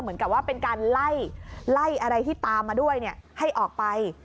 เหมือนกับว่าเป็นการไล่อะไรที่ตามมาด้วยให้ออกไป